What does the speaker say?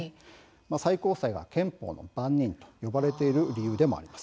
最高裁が憲法の番人と呼ばれている理由でもあります。